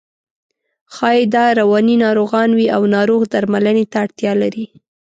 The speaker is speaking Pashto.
ښایي دا رواني ناروغان وي او ناروغ درملنې ته اړتیا لري.